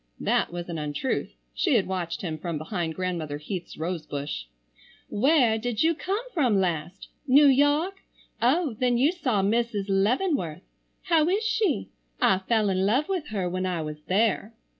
That was an untruth. She had watched him from behind Grandmother Heath's rose bush. "Where did you come from last? New York? Oh, then you saw Mrs. Leavenworth. How is she? I fell in love with her when I was there."